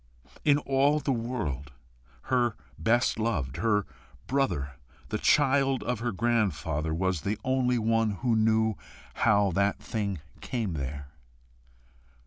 In all the world, her best loved, her brother, the child of her grandfather, was the only one who knew how that thing came there.